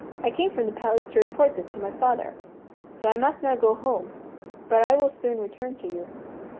I came from the palace to report this to my father, so I must now go home, but I will soon return to you."